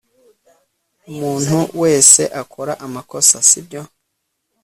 umuntu wese akora amakosa, sibyo